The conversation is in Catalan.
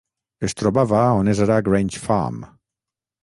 Es trobava on ara és Grange Farm.